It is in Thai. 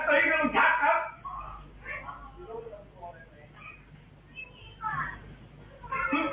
สุดท้อนที่อยากสุดของทุกคน